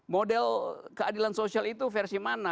model keadilan sosial itu versi mana